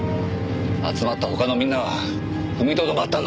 集まった他のみんなは踏みとどまったんだろ。